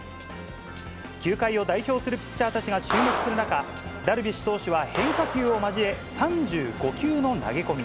球界を代表するピッチャーたちが注目する中、ダルビッシュ投手は変化球を交え３５球の投げ込み。